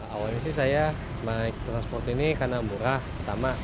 awalnya sih saya naik transport ini karena murah pertama